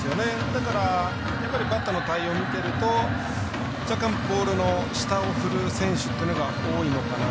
だからバッターの対応を見てると若干、ボールの下を振る選手というのが多いのかな。